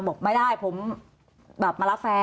บอกไม่ได้ผมแบบมารับแฟน